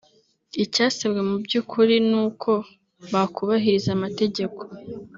Icyasabwe mu by’ukuri ni uko bakubahiriza amategeko